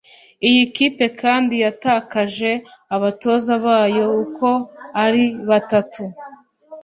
Iyi kipe kandi yatakaje abatoza bayo uko ari batatu